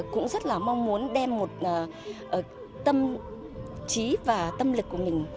cũng rất là mong muốn đem một tâm trí và tâm lực của mình